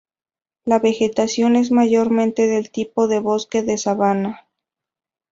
La vegetación es mayormente del tipo de bosque de sabana.